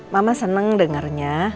mama seneng dengarnya